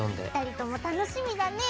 ２人とも楽しみだね。